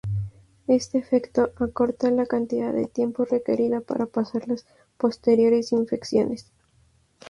Este efecto acorta la cantidad de tiempo requerida para pasar las posteriores infecciones.